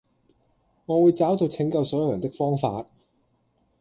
我會找到拯救所有人的方法